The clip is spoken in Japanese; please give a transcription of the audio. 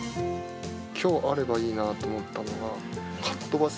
きょうあればいいなと思ったのは、かっとばせ！